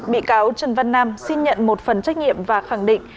bị cáo trần văn nam xin nhận một phần trách nhiệm và khẳng định